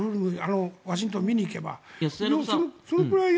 ワシントンに見に行けば。